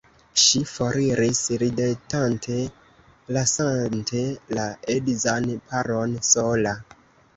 Ŝi foriris ridetante, lasante la edzan paron sola.